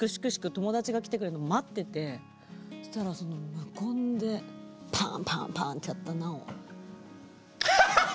友達が来てくれるの待っててそしたらその無言でパンパンパンってやったナンを。